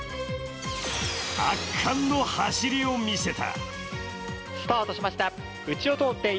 圧巻の走りを見せた。